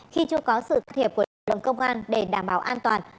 khi chưa có sự cắt hiệp của cơ quan công an để đảm bảo an toàn